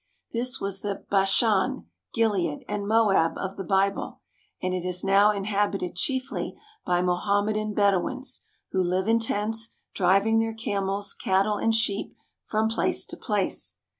This was the Bashan, Gilead, and Moab of the Bible, and it is now inhabited chiefly by Mohammedan Bedouins, who live in tents, driving their camels, cattle, and sheep from place to place.